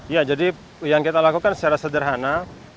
ya jadi yang kita lakukan secara sederhana